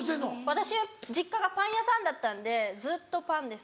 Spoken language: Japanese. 私実家がパン屋さんだったんでずっとパンです。